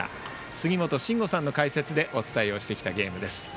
杉本真吾さんの解説でお伝えをしてきたゲームです。